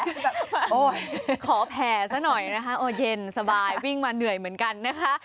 โอ้โหขอแผ่ซะหน่อยนะคะโอ้เย็นสบายวิ่งมาเหนื่อยเหมือนกันนะคะ